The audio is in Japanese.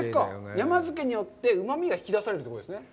山漬けによってうまみが引き出されるということですね。